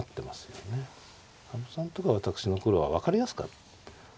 羽生さんとか私の頃は分かりやすかった。